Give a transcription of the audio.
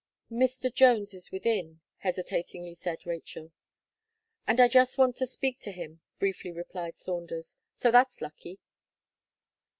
"Mr. Jones is within," hesitatingly said Rachel "And I just want to speak to him," briefly replied Saunders, "so that's lucky."